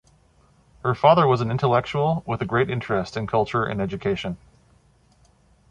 Her father was an intellectual, with a great interest in culture and education.